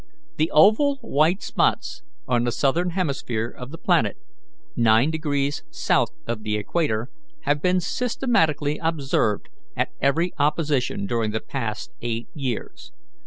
The oval white spots on the southern hemisphere of the planet, nine degrees south of the equator, have been systematically observed at every opposition during the past eight years.